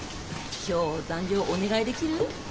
今日残業お願いできる？